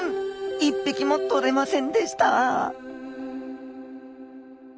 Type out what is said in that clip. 一匹もとれませんでした